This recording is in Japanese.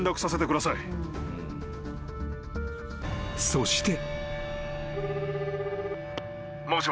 ［そして］